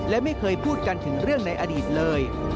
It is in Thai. และไม่เคยพูดกันถึงเรื่องในอดีตเลย